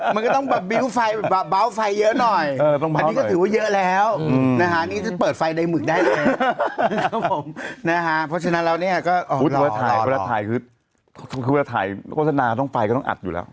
มันก็ต้องมีไฟเยอะหน่อยอยู่แล้วนะนี่เปิดไฟในหมึกได้นะครับผมนะฮะเพราะฉะนั้นเรานี่ก็ออกมาไทยไทยคุณคุณคุณถ่ายโฆษณาต้องไปกันอาจอยู่แล้ว